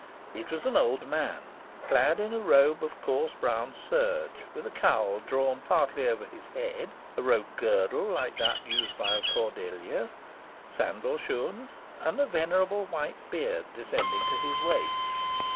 It was an old man, clad in a robe of coarse brown serge, with a cowl drawn partly over his head, a rope girdle like that used by a cordelier, sandal shoon, and a venerable white beard descending to his waist.